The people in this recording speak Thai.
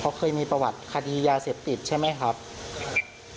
เขาเคยมีประวัติคดียาเสพติดใช่ไหมครับ